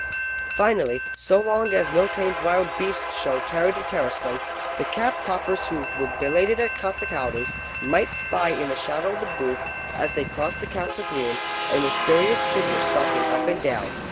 Finally, so long as Mitaine's wild beast show tarried in Tarascon, the cap poppers who were belated at Costecalde's might spy in the shadow of the booth, as they crossed the Castle green, a mysterious figure stalking up and down.